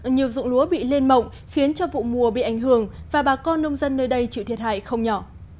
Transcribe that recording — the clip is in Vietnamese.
nhiều dụng lúa bị lên mộng khiến cho vụ mùa bị ảnh hưởng và bà con nông dân nơi đây chịu thiệt hại không nhỏ